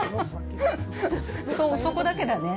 そこだけだね？